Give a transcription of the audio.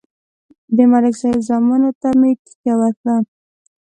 د ملک صاحب زامنو ته مې ټېکه ورکړه